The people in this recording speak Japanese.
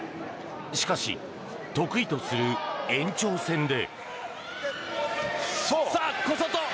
しかし、得意とする延長戦で。